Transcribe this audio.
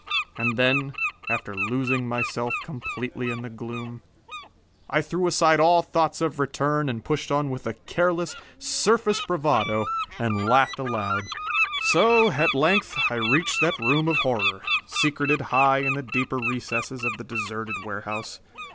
And then, after losing myself completely in the gloom, I threw aside all thoughts of return and pushed on with a careless, surface bravado, and laughed aloud. So, at length, I reached that room of horror, secreted high in the deeper recesses of the deserted warehouse.